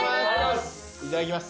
いただきます。